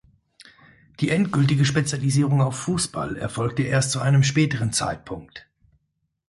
Die endgültige Spezialisierung auf Fußball erfolgte erst zu einem späteren Zeitpunkt.